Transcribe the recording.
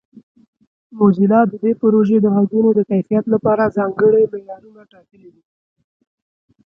موزیلا د دې پروژې د غږونو د کیفیت لپاره ځانګړي معیارونه ټاکلي دي.